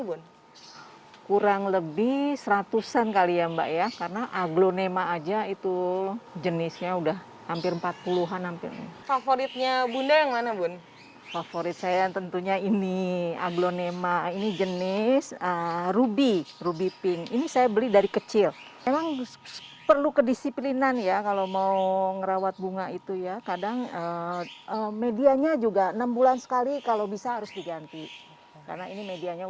bunda iras memiliki pelbagai alat yang bisa diperlukan untuk menjaga kejayaan dan kemampuan tanaman